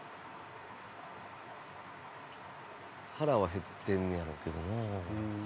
腹はへってんねやろうけどな。